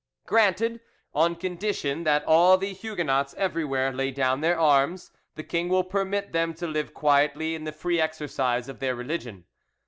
'Granted: and on condition that all the Huguenots everywhere lay down their arms, the king will permit them to live quietly in the free exercise of their religion.